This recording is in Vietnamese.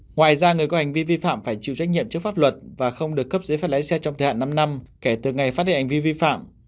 ngoài ra người có hành vi vi phạm phải chịu trách nhiệm trước pháp luật và không được cấp giấy phép lái xe trong thời hạn năm năm kể từ ngày phát hiện hành vi vi phạm